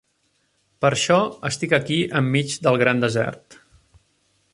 Per això, estic aquí enmig del gran desert.